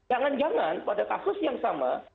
jangan jangan pada kasus yang sama